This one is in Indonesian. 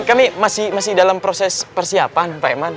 kami masih dalam proses persiapan pak eman